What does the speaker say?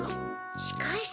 しかえし？